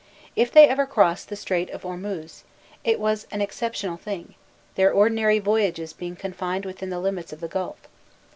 If they ever crossed the Strait of Ormuzd, it was an exceptional thing, their ordinary voyages being confined within the limits of the gulf.